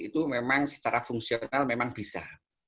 itu memang secara fungsional memang bisa